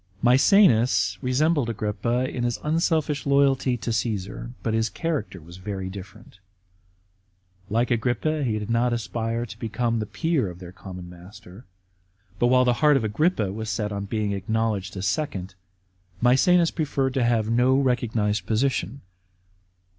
Maecenas resembled Agrippa in his unselfish loyalty to Caesar ; but his character was very different. Like Agrippa, he did not aspire to become the peer of their common master; but while the heart of Agrippa was set on being acknowledged as second, Msecenas preferred to have no recognised position.